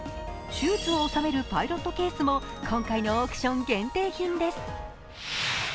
シューズを収めるパイロットケースも今回のオークション限定品です。